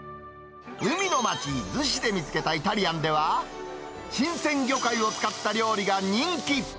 海の町、逗子で見つけたイタリアンでは、新鮮魚介を使った料理が人気。